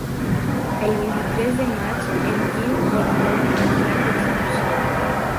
El vint-i-tres de maig en Guim i en Tom aniran d'excursió.